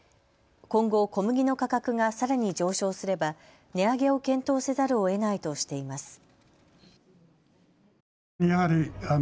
今後、小麦の価格がさらに上昇すれば値上げを検討せざるをえないとしています。